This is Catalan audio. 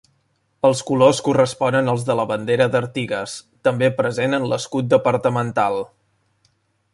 Els colors corresponen als de la bandera d'Artigas, també present en l'escut departamental.